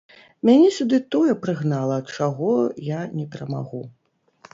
Мяне сюды тое прыгнала, чаго я не перамагу.